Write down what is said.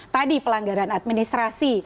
tadi pelanggaran administrasi